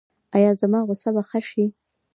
ایا زما غوسه به ښه شي؟